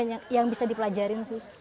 jadi macam macam yang bisa dipelajari